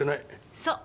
そう。